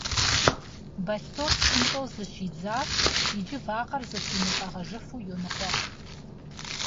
Бэлътор псынщӀэу зыщидзащ, иджы вакъэр зылъимытӀэгъэжыфу йоныкъуэкъу.